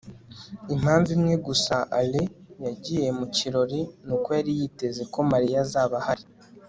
impamvu imwe gusa alain yagiye mu kirori nuko yari yiteze ko mariya azaba ahari